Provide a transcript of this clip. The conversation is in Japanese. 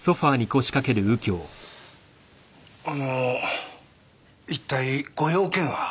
あの一体ご用件は？